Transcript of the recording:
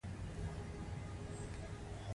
دا د ایران ارزښت دی.